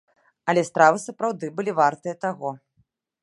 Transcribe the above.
Але стравы сапраўды былі вартыя таго.